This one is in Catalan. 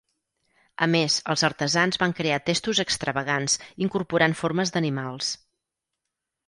A més, els artesans van crear testos extravagants incorporant formes d'animals.